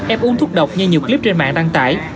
ép uống thuốc độc như nhiều clip trên mạng đăng tải